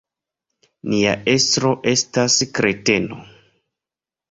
Nia estro estas kreteno.